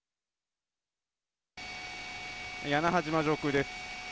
屋那覇島上空です。